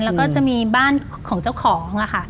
แล้วก็จะมีบ้านของเจ้าของค่ะ